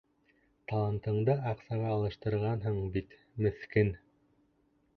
Талантыңды аҡсаға алыштырғанһың бит, меҫкен!